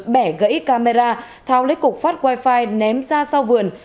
bẻ gãy camera tháo lấy cục phát wifi ném ra sau vườn